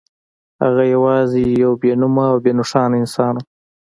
هغه یوازې یو بې نومه او بې نښانه انسان و